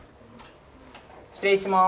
失礼します。